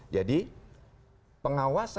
jadi pengawasan itu